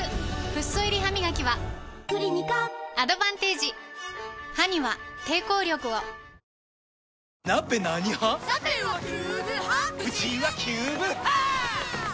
フッ素入りハミガキは歯には抵抗力を「さてはキューブ派？」